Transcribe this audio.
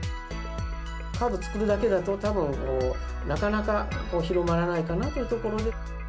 カード作るだけだとたぶん、なかなか広まらないかなというところで。